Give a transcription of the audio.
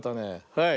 はい！